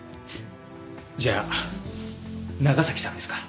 じゃあ長崎さんですか？